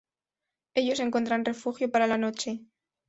Ellos encuentran refugio para la noche.